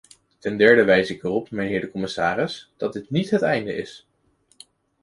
Ten derde wijs ik erop, mijnheer de commissaris, dat dit niet het einde is.